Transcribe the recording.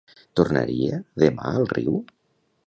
Tornaria demà al riu?